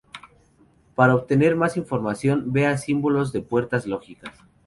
Para obtener más información, vea Símbolos de puertas lógicas.